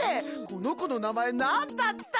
この子の名前、何だった？